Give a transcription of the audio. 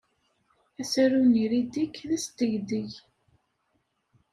Asaru-nni Riddick d asdegdeg!